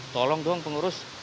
tolong dong pengurus